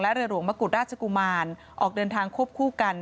เรือหลวงมะกุฎราชกุมารออกเดินทางควบคู่กัน